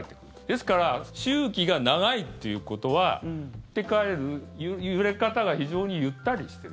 ですから周期が長いっていうことは行って帰る揺れ方が非常にゆったりしてる。